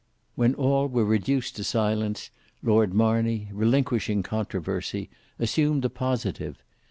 When all were reduced to silence, Lord Marney relinquishing controversy, assumed the positive.